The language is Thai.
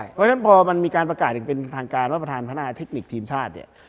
เพราะฉะนั้นพอมันมีการประกาศอย่างเป็นทางการว่าประธานพนักเทคนิคทีมชาติเนี่ย